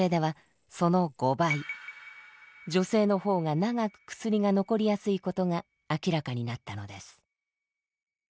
女性の方が長く薬が残りやすいことが明らかになったのです。